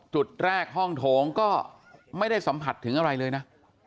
จุดแรกห้องโถงก็ไม่ได้สัมผัสถึงอะไรเลยนะ